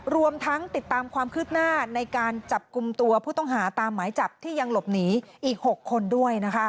รวมทั้งติดตามความคืบหน้าในการจับกลุ่มตัวผู้ต้องหาตามหมายจับที่ยังหลบหนีอีก๖คนด้วยนะคะ